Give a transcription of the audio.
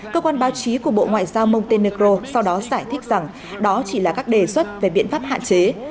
cơ quan báo chí của bộ ngoại giao montenegro sau đó giải thích rằng đó chỉ là các đề xuất về biện pháp hạn chế